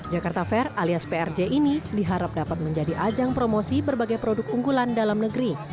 jakarta fair alias prj ini diharap dapat menjadi ajang promosi berbagai produk unggulan dalam negeri